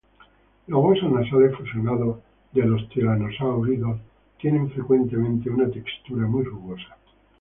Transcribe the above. Los huesos nasales fusionados de los tiranosáuridos tienen frecuentemente una textura muy rugosa.